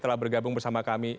telah bergabung bersama kami